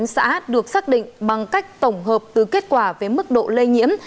xã được xác định bằng cách tổng hợp từ kết quả với mức độ lây nhiễm